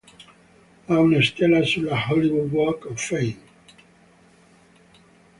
Ha una stella sulla Hollywood Walk of Fame.